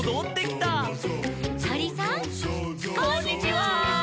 「こんにちは」